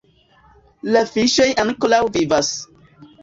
La fiŝoj ankoraŭ vivas